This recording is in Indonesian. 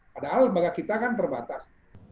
padahal lembaga kita kan terbatas